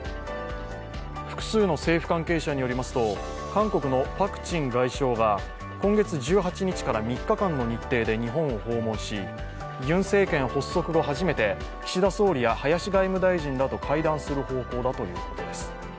複数の政府関係者によりますと、韓国のパク・チン外相が今月１８日から３日間の日程で日本を訪問し、ユン政権発足後初めて岸田総理や林外務大臣らと会談する方向だということです。